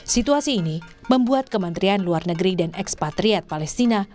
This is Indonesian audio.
situasi ini membuat kementerian luar negeri dan ekspatriat palestina